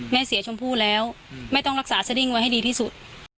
แม่เสียชมพู่แล้วแม่ต้องรักษาสดิ้งไว้ให้ดีที่สุด